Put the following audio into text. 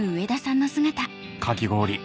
かき氷